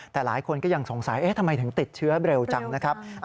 แต่หลายคนก็ยังสงสัยทำไมถึงติดเชื้อเร็วจังนะครับ